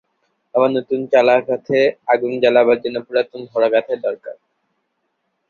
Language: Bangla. আবার নূতন চালা কাঠে আগুন জ্বালাবার জন্যে পুরাতন ধরা-কাঠের দরকার।